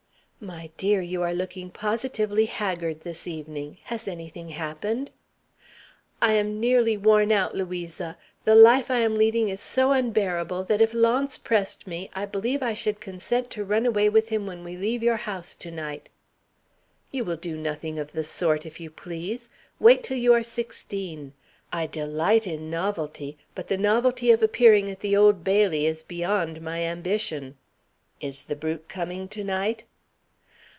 "My dear, you are looking positively haggard this evening. Has anything happened?" "I am nearly worn out, Louisa. The life I am leading is so unendurable that, if Launce pressed me, I believe I should consent to run away with him when we leave your house tonight." "You will do nothing of the sort, if you please. Wait till you are sixteen. I delight in novelty, but the novelty of appearing at the Old Bailey is beyond my ambition. Is the brute coming to night?"